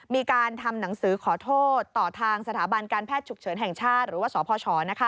มีการทำหนังสือขอโทษต่อทางสถาบันการแพทย์ฉุกเฉินแห่งชาติหรือว่าสพช